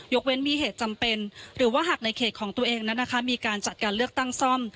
เว้นมีเหตุจำเป็นหรือว่าหากในเขตของตัวเองนั้นนะคะมีการจัดการเลือกตั้งซ่อม